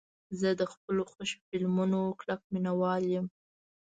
زه د خپلو خوښې فلمونو کلک مینهوال یم.